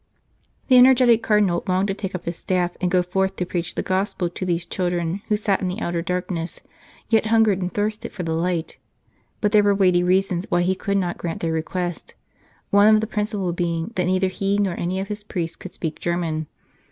The energetic Cardinal longed to take up his staff and go forth to preach the Gospel to these children who sat in the outer darkness, yet hungered and thirsted for the light ; but there were weighty reasons why he could not grant their request, one of the principal being that neither he nor any of his priests could speak German.